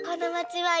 はい。